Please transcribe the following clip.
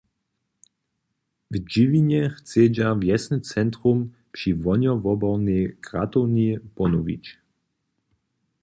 W Dźěwinje chcedźa wjesny centrum při wohnjowobornej gratowni ponowić.